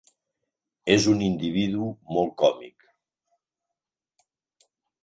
És un individu molt còmic.